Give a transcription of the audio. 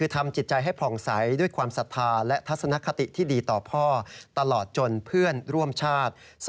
ทำจิตใจให้ผ่องใสด้วยความศรัทธาและทัศนคติที่ดีต่อพ่อตลอดจนเพื่อนร่วมชาติ